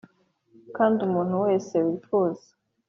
Kandi umuntu wese wifuza